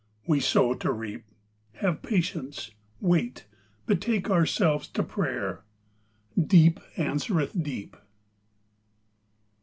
We sow to reap, Have patience, wait, betake ourselves to prayer Deep answereth deep.